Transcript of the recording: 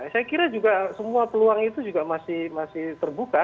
saya kira juga semua peluang itu juga masih terbuka